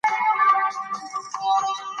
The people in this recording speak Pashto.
سیاسي مشرتابه حساب غواړي